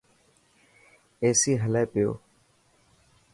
ايسي هلي پيو.